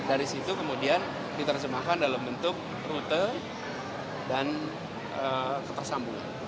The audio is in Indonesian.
dari situ kemudian diterjemahkan dalam bentuk rute dan tersambungan